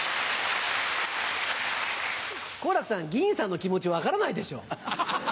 好楽さん議員さんの気持ち分からないでしょ。